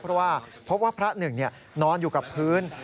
เพราะว่าพบว่าพระหนึ่งนอนอยู่กับพื้น